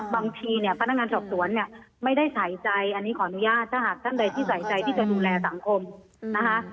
บางทีเนี่ยพนักงานสอบสวนเนี่ยไม่ได้ใส่ใจอันนี้ขออนุญาตถ้าหากท่านใดที่ใส่ใจที่จะดูแลสังคมนะคะ